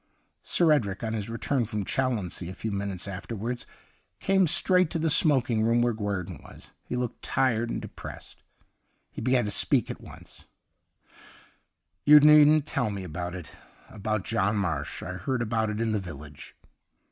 Sir Edric, on his return from Challonsea a few minutes after wards, came straight to the smoking room where Guerdon was. He looked tired and depressed. He began to speak at once :' You needn't tell me about it — about John Marsh. I heard about it in the village.'